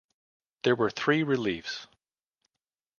There were three reliefs.